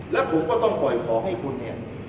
แล้วผมก็ต้องปล่อยของให้คุณเนี่ย